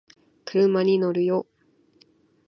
車に乗るよ